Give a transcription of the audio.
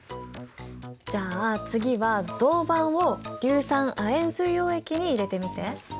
じゃあ次は銅板を硫酸亜鉛水溶液に入れてみて。